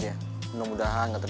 ini gini deh karun